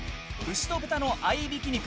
牛と豚の合いびき肉。